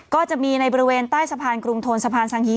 ก็จะมีในบริเวณใต้สะพานกรุงทนสะพานสังฮี